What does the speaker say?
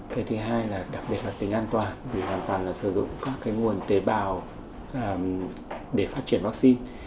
cái thứ hai là đặc biệt là tính an toàn vì hoàn toàn là sử dụng các cái nguồn tế bào để phát triển vaccine